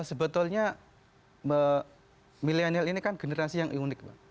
sebetulnya milenial ini kan generasi yang unik